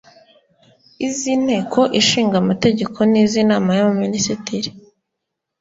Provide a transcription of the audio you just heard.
iz’inteko ishinga amategeko n' iz’inama y abaminisitiri